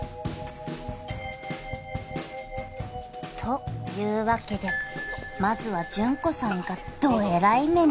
［というわけでまずは順子さんがどえらい目に］